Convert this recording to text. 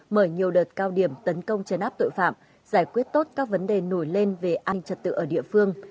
mở nhiều đợt cao điểm tấn công chấn áp tội phạm giải quyết tốt các vấn đề nổi lên về an ninh trật tự ở địa phương